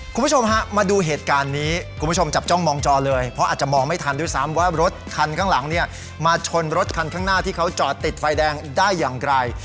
คุณผู้ชมฮะมาดูเหตุการณ์นี้คุณผู้ชมจับจ้องมองจอเลยเพราะอาจจะมองไม่ทันด้วยซ้ำว่ารถคันข้างหลังเนี่ยมาชนรถคันข้างหน้าที่เขาจอดติดไฟแดงได้อย่างไร